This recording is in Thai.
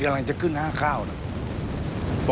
กำลังจะขึ้นห้าข้าวนะครับ